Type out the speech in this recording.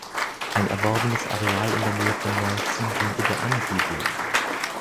Ein erworbenes Areal in der Nähe von Nelson diente der Ansiedlung.